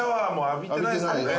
浴びてないですね。